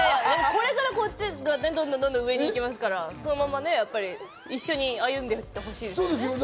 これからこっちがどんどん上に行きますから、そのまま一緒に歩んでいってほしいですよね。